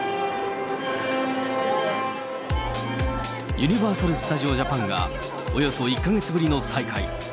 ユニバーサル・スタジオ・ジャパンが、およそ１か月ぶりの再開。